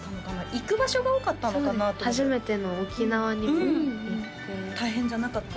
行く場所が多かったのかな初めての沖縄にも行って大変じゃなかった？